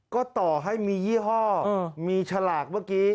ก็ต่อให้มียี่ห้อมีฉลากเมื่อกี้